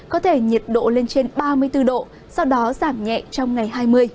có thể nhiệt độ lên trên ba mươi bốn độ sau đó giảm nhẹ trong ngày hai mươi